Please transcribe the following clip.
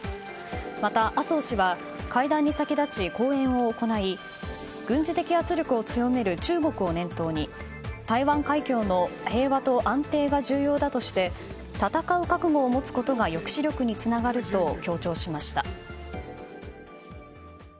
また、麻生氏は会談に先立ち、講演を行い軍事的圧力を強める中国を念頭に台湾海峡の平和と安定が重要だとして戦う覚悟を持つことが抑止力につながると強調しました。